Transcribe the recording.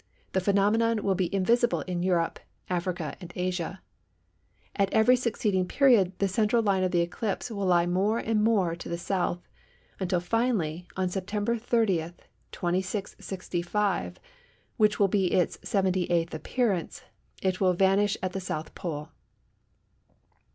the phenomenon will be invisible in Europe, Africa, and Asia. At every succeeding period the central line of the eclipse will lie more and more to the S., until finally, on September 30, 2665, which will be its 78th appearance, it will vanish at the South Pole.